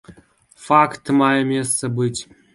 Факт мае месца быць.